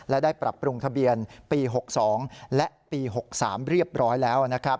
และได้ปรับปรุงทะเบียนปี๖๒และปี๖๓เรียบร้อยแล้วนะครับ